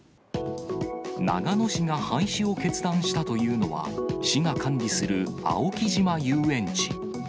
長野市が廃止を決断したというのは、市が管理する青木島遊園地。